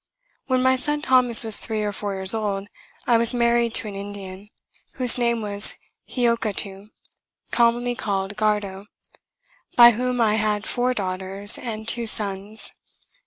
When my son Thomas was three or four years old, I was married to an Indian, whose name was Hiokatoo, commonly called Gardow, by whom I had four daughters and two sons.